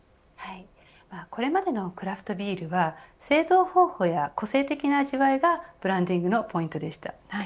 これまでのクラフトビールは製造方法や個性的な味わいがブランディングのポイントでした。